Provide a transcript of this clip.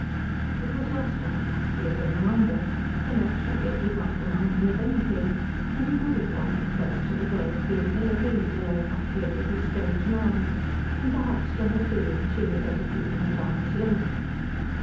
It was lost on Tussie as a reminder, for naturally it did not remind him of anything, and he put it down at first to the girl's being ill at ease alone up there with a strange man, and perhaps to her feeling she had better keep him at arm's length.